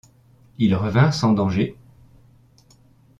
Ils revinrent sans danger ?